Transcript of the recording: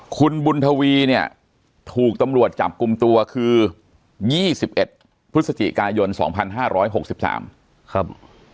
คุณบุญทวีเนี่ยถูกตำรวจจับกลุ่มตัวคือ๒๑พฤศจิกายน๒๕๖๓ครับ